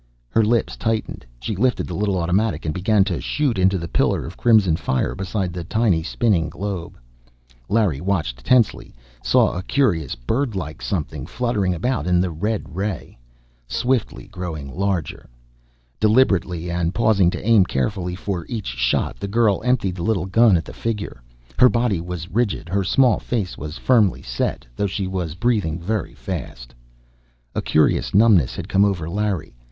Her lips tightened. She lifted the little automatic and began to shoot into the pillar of crimson fire beside the tiny, spinning globe. Larry, watching tensely, saw a curious, bird like something fluttering about in the red ray, swiftly growing larger! Deliberately, and pausing to aim carefully for each shot, the girl emptied the little gun at the figure. Her body was rigid, her small face was firmly set, though she was breathing very fast. A curious numbness had come over Larry.